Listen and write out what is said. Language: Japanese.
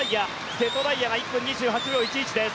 瀬戸大也が１分２８秒１１です。